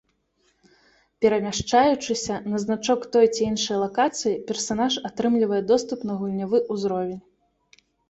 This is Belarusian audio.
Перамяшчаючыся на значок той ці іншай лакацыі персанаж атрымлівае доступ на гульнявы ўзровень.